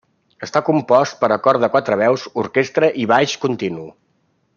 Està compost per a cor de quatre veus, orquestra i baix continu.